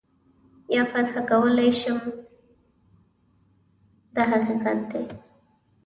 تا فتح کولای هم شي دا حقیقت دی.